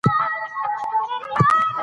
افغانستان په زمرد غني دی.